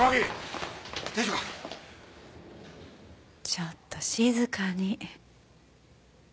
ちょっと静かに。